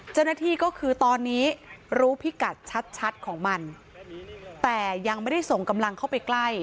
เจ้าหน้าที่ก็คือตอนนี้รู้พิกัดชัดของมันแต่ยังไม่ได้ส่งกำลังเข้าไปใกล้